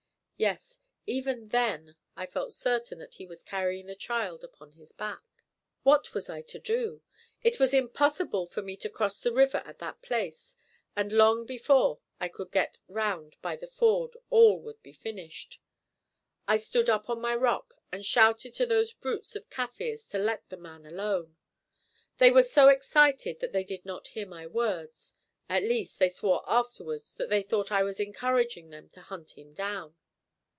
Yes, even then I felt certain that he was carrying the child upon his back. What was I to do? It was impossible for me to cross the river at that place, and long before I could get round by the ford all would be finished. I stood up on my rock and shouted to those brutes of Kaffirs to let the man alone. They were so excited that they did not hear my words; at least, they swore afterwards that they thought I was encouraging them to hunt him down.